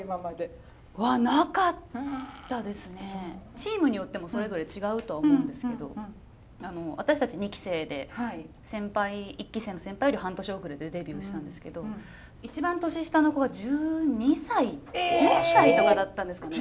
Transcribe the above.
チームによってもそれぞれ違うと思うんですけどあの私たち２期生で先輩１期生の先輩より半年遅れでデビューしたんですけど一番年下の子が１２歳１０歳とかだったんですかね？